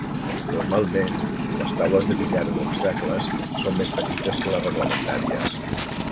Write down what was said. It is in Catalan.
Normalment, les taules de billar amb obstacles són més petites que les reglamentàries.